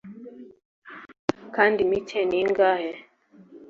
kandi imike ni ingahe.